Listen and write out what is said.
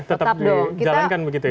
tetap dijalankan begitu ya